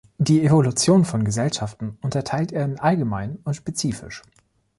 Die Evolution von Gesellschaften unterteilt er in "allgemein" und "spezifisch".